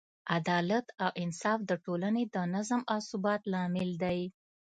عدالت او انصاف د ټولنې د نظم او ثبات لامل دی.